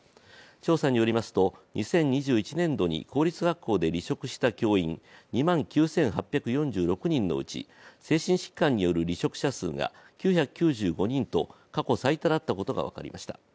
調査によりますと２０２１年度に公立学校で離職した教員、２万９８４６人のうち、精神疾患による離職者数が９９５人と過去最多だったことが分かりました。